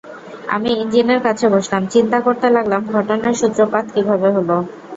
আমি ইঞ্জিনের কাছে বসলাম, চিন্তা করতে লাগলাম ঘটনার সূত্রপাত কীভাবে হলো।